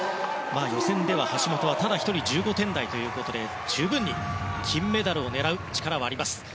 予選では、橋本はただ１人、１５点台ということで十分に金メダルを狙う力はあります。